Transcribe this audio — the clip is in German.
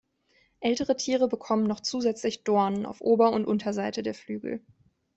Ältere Tiere bekommen noch zusätzliche Dornen auf Ober- und Unterseite der Flügel.